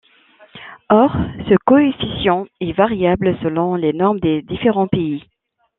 Or ce coefficient est variable selon les normes des différents pays.